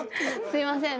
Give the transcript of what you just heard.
すいません。